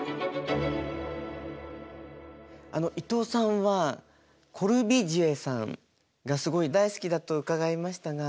伊東さんはコルビュジエさんがすごい大好きだと伺いましたが。